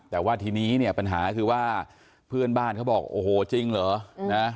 แต่ว่าทีนี้เนี่ยปัญหาคือว่าเพื่อนบ้านเขาบอกโอ้โหจริงเหรอนะ